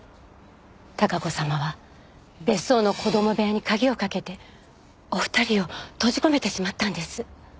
孝子様は別荘の子供部屋に鍵をかけてお二人を閉じ込めてしまったんです。